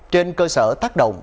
trên cơ sở tác động